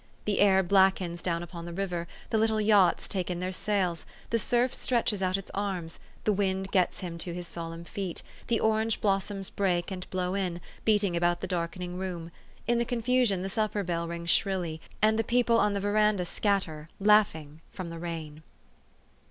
The air blackens down upon the river ; the little yachts take in their sails ; the surf stretches out its arms ; the wind gets him to his solemn feet ; the orange blossoms break and blow in, beating about the darkening room. In the confusion the supper bell rings shrilly, and the people on the veranda scatter, laughing, from the rain.